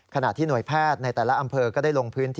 ขณะที่หน่วยแพทย์ในแต่ละอำเภอก็ได้ลงพื้นที่